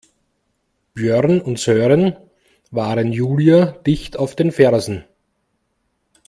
Björn und Sören waren Julia dicht auf den Fersen.